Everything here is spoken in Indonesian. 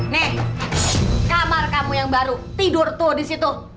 nih kamar kamu yang baru tidur tuh di situ